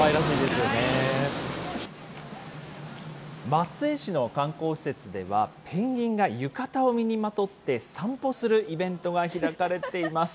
松江市の観光施設では、ペンギンが浴衣を身にまとって散歩するイベントが開かれています。